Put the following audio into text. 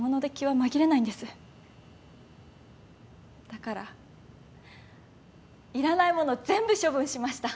だからいらないもの全部処分しました。